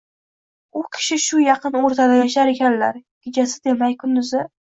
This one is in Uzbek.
U kishi shu yaqin o’rtada yashar ekanlar, kechasi demay, kunduzi